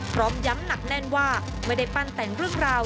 พร้อมย้ำหนักแน่นว่าไม่ได้ปั้นแต่งเรื่องราว